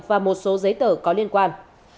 và một số giấy tờ có liên quan